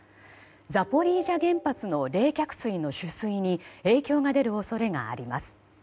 ザポリージャ原発の冷却水の取水に影響が出る恐れがあります。